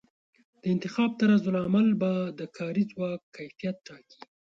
د انتخاب طرزالعمل به د کاري ځواک کیفیت ټاکي.